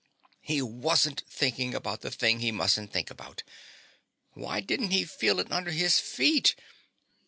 He wasn't thinking about the thing he musn't think about! Why didn't he feel it under his feet?